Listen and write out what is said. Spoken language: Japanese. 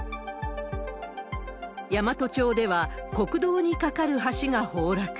山都町では、国道に架かる橋が崩落。